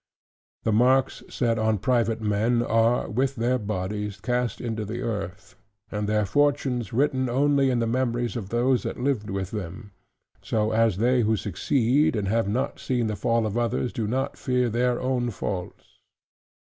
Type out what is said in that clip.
The marks, set on private men, are with their bodies cast into the earth; and their fortunes, written only in the memories of those that lived with them: so as they who succeed, and have not seen the fall of others, do not fear their own faults.